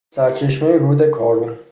سرچشمهی رود کارون